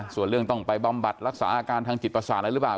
ส่วนเรื่องต้องไปบำบัดรักษาอาการทางจิตประสาทอะไรหรือเปล่า